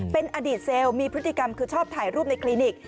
เป็นอดีตเซลล์มีพฤติกรรมคือชอบถ่ายรูปในคลินิก